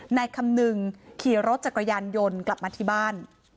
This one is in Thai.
นายคำนึงขี่รถจักรยานยนต์กลับมาที่บ้าน